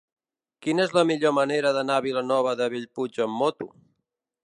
Quina és la millor manera d'anar a Vilanova de Bellpuig amb moto?